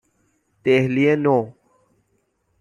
دهلی نو